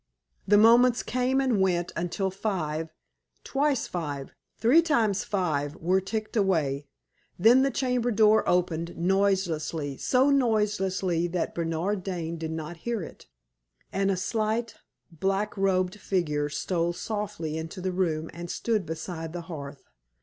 The moments came and went until five twice five three times five were ticked away. Then the chamber door opened noiselessly, so noiselessly that Bernard Dane did not hear it, and a slight, black robed figure stole softly into the room and stood beside the hearth.